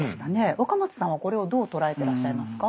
若松さんはこれをどう捉えてらっしゃいますか？